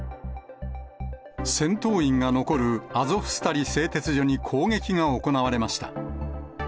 戦闘員が残るアゾフスタリ製鉄所に攻撃が行われました。